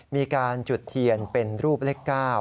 มีการจุดเทียนเป็นรูปเลข๙